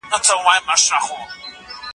تاسو ولې دلته ولاړ یاست؟